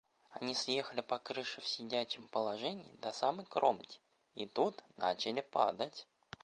Они съехали по крыше в сидячем положении до самой кромки и тут начали падать.